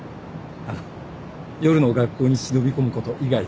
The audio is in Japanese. あの夜の学校に忍び込むこと以外で。